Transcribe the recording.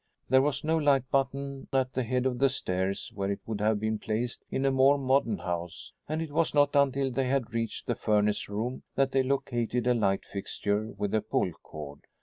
There was no light button at the head of the stairs, where it would have been placed in a more modern house, and it was not until they had reached the furnace room that they located a light fixture with a pull cord.